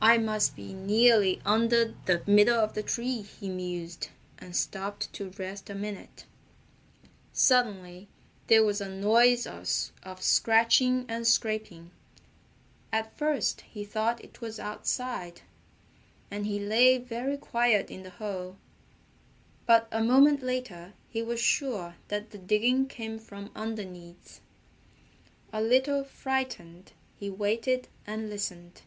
"I must be nearly under the middle of the tree," he mused, and stopped to rest a minute. Suddenly there was a noise of scratching and scraping. At first he thought it was outside, and he lay very quiet in the hole, but a moment later he was sure that the digging came from underneath. A little frightened, he waited and listened.